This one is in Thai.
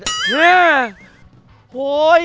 จ้อย